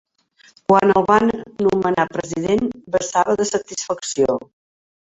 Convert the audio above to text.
Quan el van nomenar president, vessava de satisfacció.